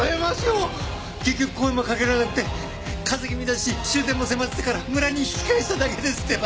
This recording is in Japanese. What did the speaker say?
結局声もかけられなくて風邪気味だし終電も迫ってたから村に引き返しただけですってば！